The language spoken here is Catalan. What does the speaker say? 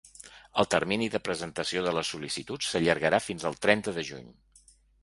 El termini de presentació de les sol·licituds s’allargarà fins al trenta de juny.